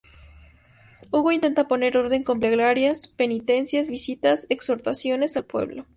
Hugo intenta poner orden, con plegarias, penitencias, visitas, exhortaciones al pueblo...